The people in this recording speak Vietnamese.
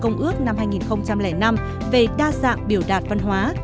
công ước năm hai nghìn năm về đa dạng biểu đạt văn hóa